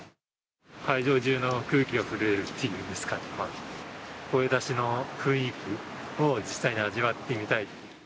会場中の空気が震えるっていうんですか、声出しの雰囲気を実際に味わってみたい。